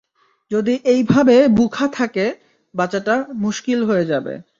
যদি এই ভাবে বুখা থাকে, বাঁচাটা মুশকিল হয়ে যাবে।